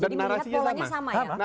jadi melihat polanya sama ya